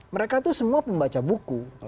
mereka itu semua pembaca buku